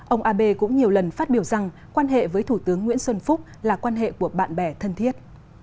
ông abe cũng nhiều lần phát biểu rằng quan hệ với thủ tướng nguyễn xuân phúc là quan hệ của bạn bè thân thiết